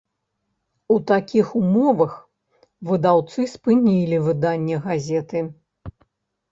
У такіх умовах выдаўцы спынілі выданне газеты.